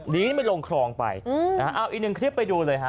หนีไปลงคลองไปเอาอีกหนึ่งคลิปไปดูเลยฮะ